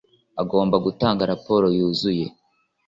Agomba gutanga raporo yuzuye